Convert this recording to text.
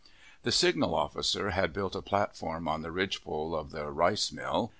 The signal officer had built a platform on the ridge pole of the rice mill.